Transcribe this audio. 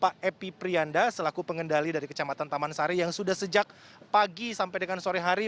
pak epi priyanda selaku pengendali dari kecamatan taman sari yang sudah sejak pagi sampai dengan sore hari